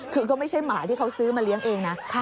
คือก็ไม่ใช่หมาที่เขาซื้อมาเลี้ยงเองนะ